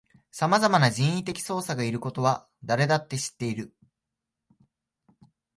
さまざまな人為的操作がいることは誰だって知っている